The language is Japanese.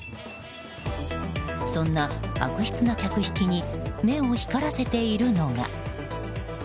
そんな悪質な客引きに目を光らせているのが。